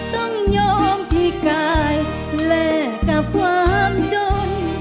ต้องยอมพี่กายแลกกับความจน